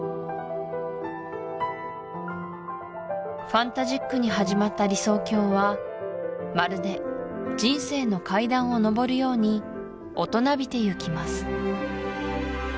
ファンタジックに始まった理想郷はまるで人生の階段を上るように大人びてゆきます